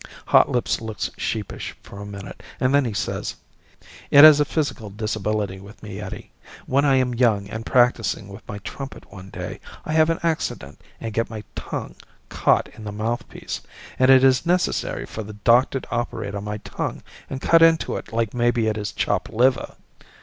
Hotlips looks sheepish for a minute and then he says, "It is a physical disability with me, Eddie. When I am young and practicing with my trumpet one day, I have an accident and get my tongue caught in the mouthpiece, and it is necessary for the doctor to operate on my tongue and cut into it like maybe it is chopped liver."